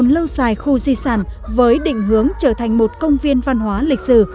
lâu dài khu di sản với định hướng trở thành một công viên văn hóa lịch sử